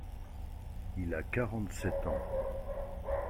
Il a quarante-sept ans…